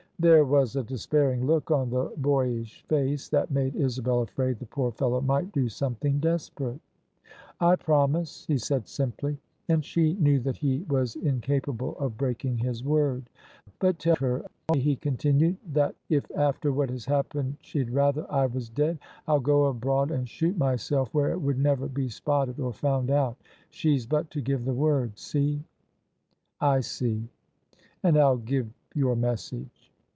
There was a despairing look on the boy ish face that made Isabel afraid the poor fellow might do something desperate. " I promise," he said simply. And she knew that he was incapable of breaking his word. " But tell her," he con tinued, " that if after what has happened she'd rather I was dead, I'll go abroad and shoot myself where it would never be spotted or found out. She's but to give the word. See ?'*" I see : and I'll give your message."